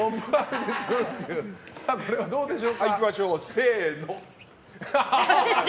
これはどうでしょうか？